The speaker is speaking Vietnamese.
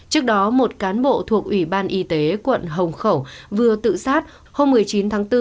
trước đó một cán bộ thuộc ủy ban y tế quận hồng khẩu vừa tự sát hôm một mươi chín tháng bốn